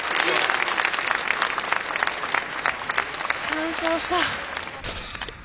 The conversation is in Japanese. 完走した。